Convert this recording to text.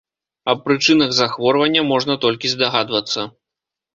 Аб прычынах захворвання можна толькі здагадвацца.